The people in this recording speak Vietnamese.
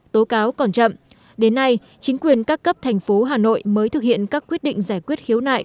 tố cáo còn chậm đến nay chính quyền các cấp thành phố hà nội mới thực hiện các quyết định giải quyết khiếu nại